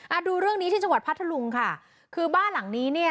ดูเรื่องนี้ที่จังหวัดพัทธลุงค่ะคือบ้านหลังนี้เนี่ย